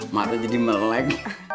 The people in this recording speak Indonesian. mata jadi melek